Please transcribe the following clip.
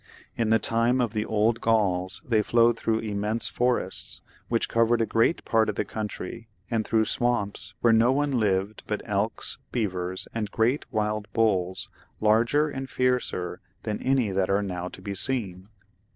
In the time of the old Gauls they flowed through immense forests, which covered a great part of the country, and through swamps where no one lived but elks, beavers, and great wild bulls, larger and fiercer than any that are now to be seen.